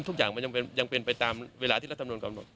ทุกอย่างมันยังเป็นไปตามเวลาที่รัฐมนุนกำหนด